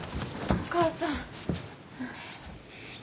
お母さん。